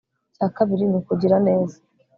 icya kabiri ni ukugira neza